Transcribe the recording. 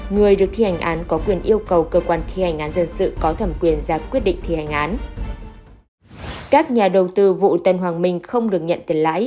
người được thi hành án có quyền yêu cầu cơ quan thi hành án dân sự có thẩm quyền ra quyết định thi hành án